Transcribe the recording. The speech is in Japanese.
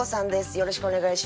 よろしくお願いします。